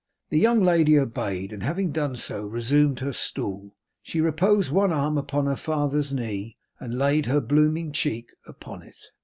The young lady obeyed, and having done so, resumed her stool, reposed one arm upon her father's knee, and laid her blooming cheek upon it.